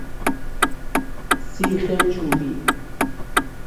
سیخ چوبی